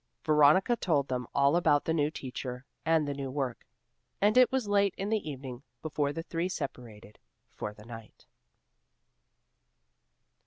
Veronica told them all about the new teacher and the new work, and it was late in the evening before the three separated for the night.